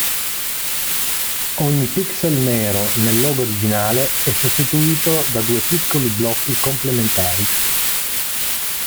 Ogni pixel nero nel logo originale è sostituito due piccoli blocchi complementari.